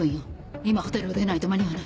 今ホテルを出ないと間に合わない。